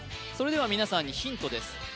それでは皆さんにヒントです